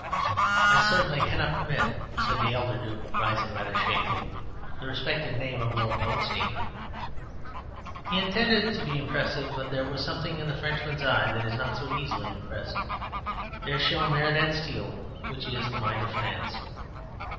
"I certainly cannot permit," said the elder Duke, rising rather shakily, "the respected name of Lord Goldstein " He intended to be impressive, but there was something in the Frenchman's eye that is not so easily impressed; there shone there that steel which is the mind of France.